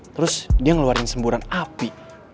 terus dia ngeluarin semburan api